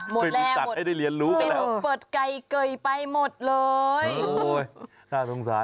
หมดแล้วเป็นเปิดไก่เกยไปหมดเลยโอ้โฮค่าสงสาร